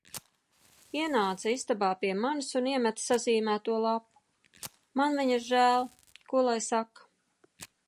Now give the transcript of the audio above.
Ienāca istabā pie manis un iemeta sazīmēto lapu. Man viņas žēl, ko lai saka.